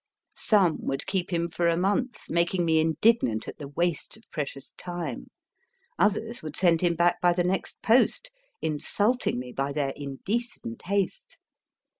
Some would keep him for a month, making me indignant at the waste of precious time. Others would send him back by the next post, insulting me by their indecent haste.